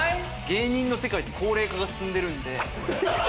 芸人の世界って高齢化が進んでるんで。